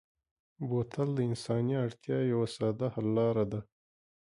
بوتل د انساني اړتیا یوه ساده حل لاره ده.